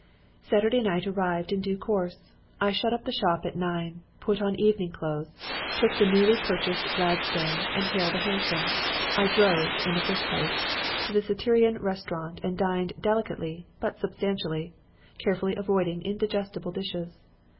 "Saturday night arrived in due course. I shut up the shop at nine, put on evening clothes, took the newly purchased Gladstone and hailed a hansom. I drove, in the first place, to the Criterion Restaurant and dined delicately but substantially, carefully avoiding indigestible dishes.